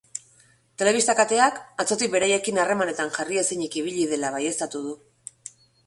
Telebista kateak, atzotik beraiekin harremanetan jarri ezinik ibili dela baieztatu du.